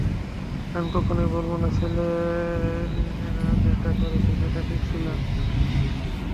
আমি কখনোই বলবো না ছেলেরা যেটা করেছে সেটা ঠিক ছিল।